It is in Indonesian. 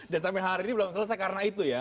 dan sampai hari ini belum selesai karena itu ya